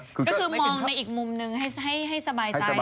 ก็คือมองในอีกมุมนึงให้สบายใจ